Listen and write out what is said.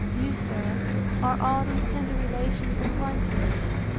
—You, sir, are all these tender relations in one to me!